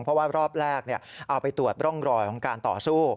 เพราะว่ารอบแรกเอาไปตรวจร่องรอยของการต่อสู้